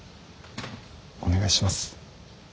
お願いします。